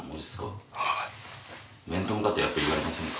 面と向かって、やっぱり言われませんか。